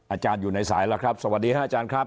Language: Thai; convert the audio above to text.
อาจารย์อยู่ในสายแล้วครับสวัสดีครับอาจารย์ครับ